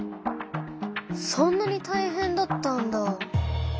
そんなにたいへんだったんだ。